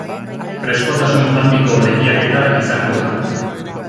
Freskotasun handiko lehiaketa izango da.